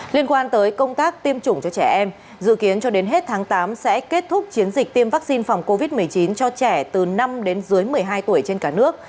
liên quan tới công tác tiêm chủng cho trẻ em dự kiến cho đến hết tháng tám sẽ kết thúc chiến dịch tiêm vaccine phòng covid một mươi chín cho trẻ từ năm đến dưới một mươi hai tuổi trên cả nước